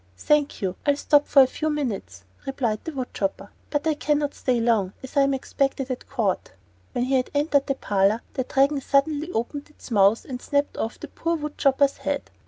"Thank you, I'll stop for a few minutes," replied the wood chopper; "but I can not stay long, as I am expected at court." When he had entered the parlor the Dragon suddenly opened its mouth and snapped off the poor wood chopper's head.